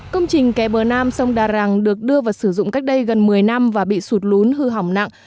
công trình kè bờ nam sông đà răng được đưa vào sử dụng cách đây gần một mươi năm và bị sụt lún hư hỏng nặng